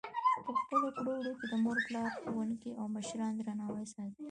په خپلو کړو وړو کې د مور پلار، ښوونکو او مشرانو درناوی ساتي.